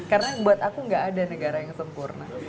karena buat aku gak ada negara yang sempurna